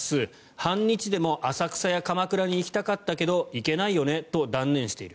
半日でも浅草や鎌倉に行きたかったけど行けないよねと断念している。